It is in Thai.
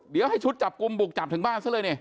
เดี๋ยวให้ชุดจับกลุ่มบุกจับถึงบ้านซะเลยนี่